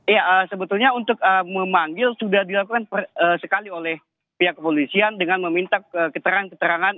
ya sebetulnya untuk memanggil sudah dilakukan sekali oleh pihak kepolisian dengan meminta keterangan keterangan